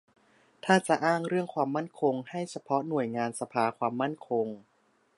ถ้าจะอ้างเรื่องความมั่นคงให้เฉพาะหน่วยงานสภาความมั่นคง